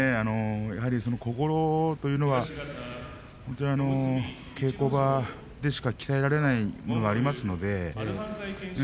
やはり心というのは稽古場でしか鍛えられないというのがありますからね。